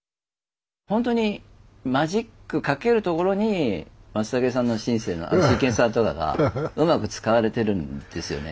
ほんとにマジックかけるところに松武さんのシンセのあのシーケンサーとかがうまく使われてるんですよね。